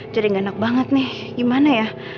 jadi gak enak banget nih gimana ya